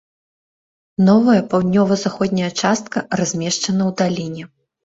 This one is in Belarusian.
Новая, паўднёва-заходняя частка размешчана ў даліне.